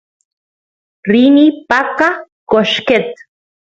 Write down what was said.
rini paqa qoshqet